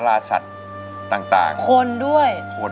ทั้งในเรื่องของการทำงานเคยทำนานแล้วเกิดปัญหาน้อย